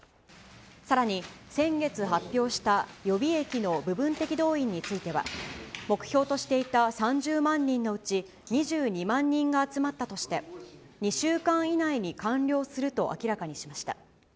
さらに先月発表した予備役の部分的動員については、目標としていた３０万人のうち２２万人が集まったとして、２週間以内に完了すると明らかにしました。